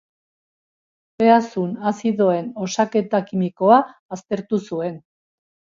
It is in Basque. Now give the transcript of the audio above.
Behazun azidoen osaketa kimikoa aztertu zuen.